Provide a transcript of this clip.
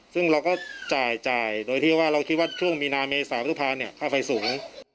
ซึ่งเราก็จ่ายโดยที่ว่าเราคิดว่าช่วงมีนาเมษาพฤษภาเนี่ยค่าไฟสูง